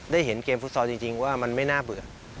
เห็นเกมฟุตซอลจริงว่ามันไม่น่าเบื่อ